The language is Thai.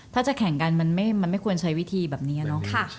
ถ้าจะแข่งกันมันไม่ควรใช้วิธีแบบนี้เนอะ